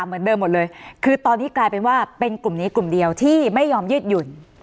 คิดว่าคุณตอนนี้กลายเป็นว่าเป็นกลุ่มเยี่ยวที่ไม่ยอมยืดหยุ่น